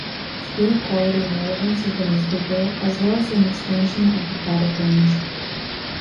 Speed, quality and relevance of the newspaper, as well as an expansion of the product range.